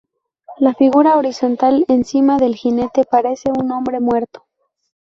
La figura horizontal encima del jinete parece un hombre muerto.